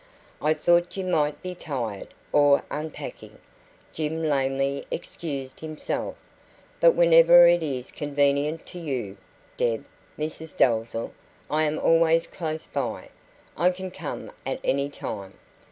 "I thought you might be tired or unpacking," Jim lamely excused himself. "But whenever it is convenient to you, Deb Mrs Dalzell I am always close by; I can come at any time."